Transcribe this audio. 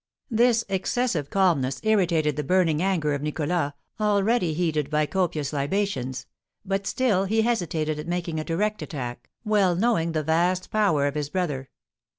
This excessive calmness irritated the burning anger of Nicholas, already heated by copious libations; but still he hesitated at making a direct attack, well knowing the vast power of his brother.